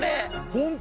本当？